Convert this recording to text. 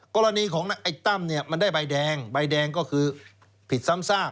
กรณีของไอ้ตั้มเนี่ยมันได้ใบแดงใบแดงก็คือผิดซ้ำซาก